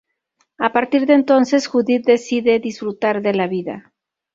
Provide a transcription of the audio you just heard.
A partir de entonces, Judith decide disfrutar de la vida.